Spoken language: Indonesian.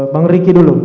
bang riki dulu